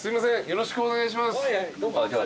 よろしくお願いします。